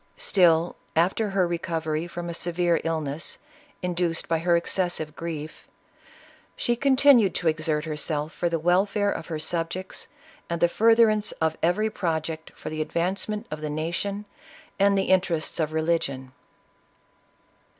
Still, after her recovery from a severe illness, induced by her excessive grief, she con tinued to exert herself for the welfare of her subjects, and the furtherance of every project for the advance ment of the nation and the interests of religion.